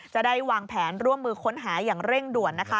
จะได้วางแผนร่วมมือค้นหาอย่างเร่งด่วนนะคะ